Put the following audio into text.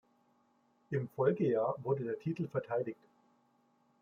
Im Folgejahr wurde der Titel verteidigt.